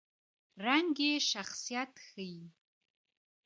رنګ یې شخصیت ښيي.